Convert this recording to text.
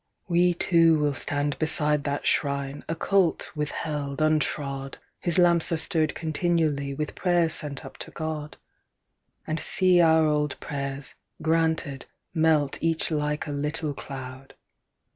"We two will lie i' the shadow ofOccult, withheld, untrod, Whose lamps are stirr'd continuallyWith prayer sent up to God; And see our old prayers, granted, meltEach like a little cloud.